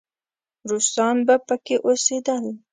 روسان به پکې اوسېدل.